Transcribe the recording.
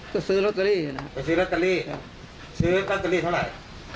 ก็ซื้อโรตเตอรี่นะไปซื้อโรตเตอรี่ครับซื้อตั้งแต่นี่เท่าไร